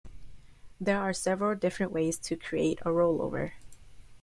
There are several different ways to create a rollover.